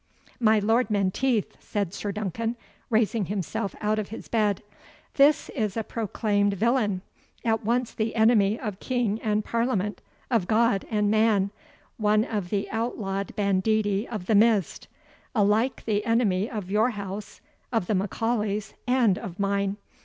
"My Lord Menteith," said Sir Duncan, raising himself out of his bed, "this is a proclaimed villain, at once the enemy of King and Parliament, of God and man one of the outlawed banditti of the Mist; alike the enemy of your house, of the M'Aulays, and of mine.